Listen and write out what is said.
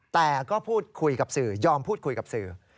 แต่ก็พูดคุยกับสื่อยอมพูดคุยกับสื่อ